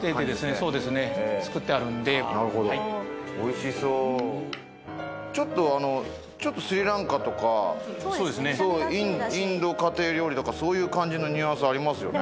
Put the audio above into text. そうですね作ってあるんでなるほどおいしそうちょっとあのちょっとスリランカとかそうですねインド家庭料理とかそういう感じのニュアンスありますよね